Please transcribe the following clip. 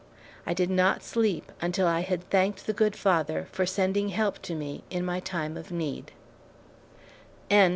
I did not sleep until I had thanked the good Father for sending help to me in my time of need.